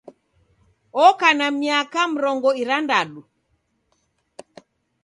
Oka na miaka mrongo irandadu